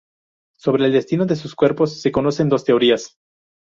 Sobre el destino de sus cuerpos se conocen dos teorías.